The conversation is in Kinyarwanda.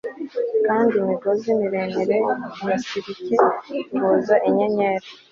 Kandi imigozi miremire ya silike ihuza inyenyeri